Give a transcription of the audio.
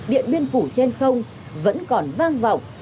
điện biên phủ trên không vẫn còn vang vọng